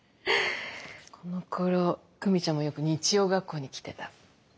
このころ久美ちゃんもよく日曜学校に来てた。